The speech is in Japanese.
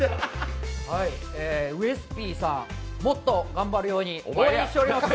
ウエスＰさん、もっと頑張るように応援しております。